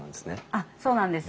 あっそうなんです。